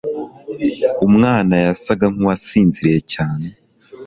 Umwana yasaga nkuwasinziriye cyane.